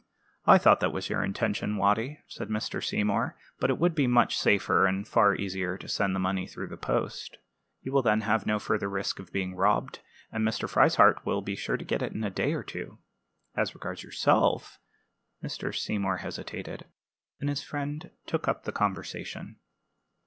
"I thought that was your intention, Watty," said Mr. Seymour; "but it would be much safer and far easier to send the money through the post. You will then have no further risk of being robbed, and Mr. Frieshardt will be sure to get it in a day or two. As regards yourself " Mr. Seymour hesitated, and his friend took up the conversation.